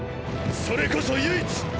それこそ唯一！！